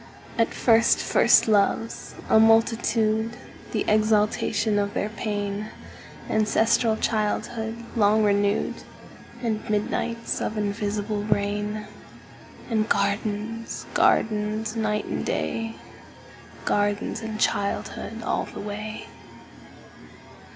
And first first loves, a multitude, The exaltation of their pain; Ancestral childhood long renewed; And midnights of invisible rain; And gardens, gardens, night and day, Gardens and childhood all the way.